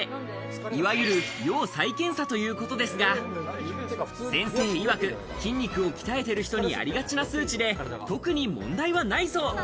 いわゆる、要再検査ということですが、先生いわく、筋肉を鍛えている人にありがちな数値で、特に問題はないそう。